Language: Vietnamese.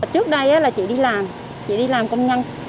trước đây là chị đi làm chị đi làm công nhân